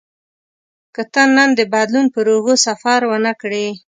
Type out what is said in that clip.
که ته نن د بدلون پر اوږو سفر ونه کړې.